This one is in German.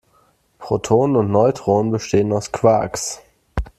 Protonen und Neutronen bestehen aus Quarks.